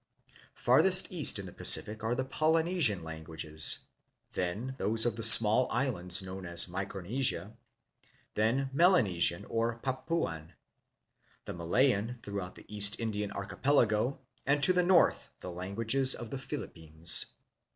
Farthest east in the Pacific are the Polynesian languages, then those of the small islands known as Micronesia; then Melanesian or Papuan; the Malayan throughout the East Indian archipelago, and to the north the languages of the Philippines.